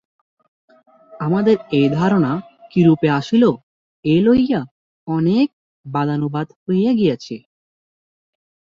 আমাদের এই ধারণা কিরূপে আসিল, এই লইয়া অনেক বাদানুবাদ হইয়া গিয়াছে।